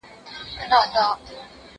زموږ غاښو ته تيږي نه سي ټينگېدلاى